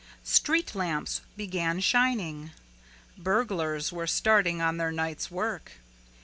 Street lamps began shining. Burglars were starting on their night's work.